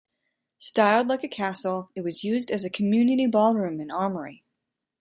Styled like a castle, it was used as a community ballroom and armory.